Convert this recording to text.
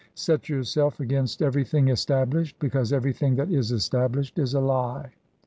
Set yourself against every thing established, because everything that is established is a lie.